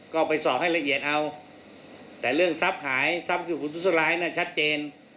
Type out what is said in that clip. ก็ไปสอบให้ละเอียดเอาแต่เรื่องทรัพย์หายทรัพย์สุขุนทุษร้ายน่ะชัดเจน